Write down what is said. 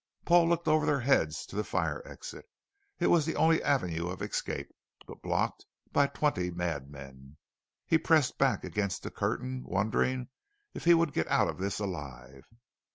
Paul looked over their heads to the fire exit. It was the only avenue of escape, but blocked by twenty madmen. He pressed back against the curtain, wondering if he would get out of this alive.